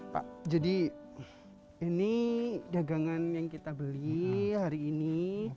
pak jadi ini dagangan yang kita beli hari ini